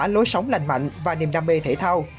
nó tỏa lối sống lành mạnh và niềm đam mê thể thao